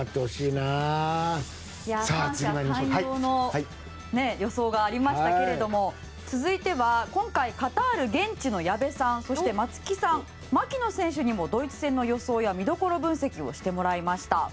では三者三様の予想がありますが続いては今回カタール現地の矢部さんそして松木さん、槙野選手にもドイツ戦の予想や見どころ分析をしてもらいました。